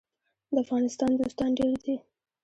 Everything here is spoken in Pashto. د افغانستان دوستان ډیر دي